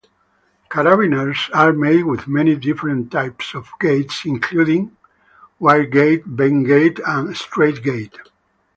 Carabiners are made with many different types of gates including wire-gate, bent-gate, and straight-gate.